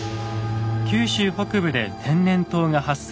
九州北部で天然痘が発生。